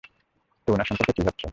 তো, উনার সম্পর্কে কী ভাবছ?